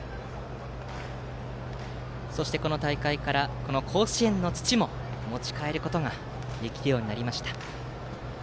そしてこの大会から甲子園の土も持ち帰ることができるようになりました。